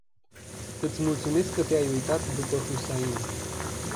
Iti multumesc ca te-ai uitat dupa Hussain.